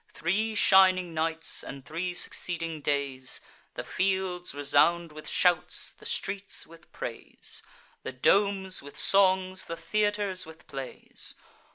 Three shining nights, and three succeeding days, The fields resound with shouts, the streets with praise, The domes with songs, the theatres with plays.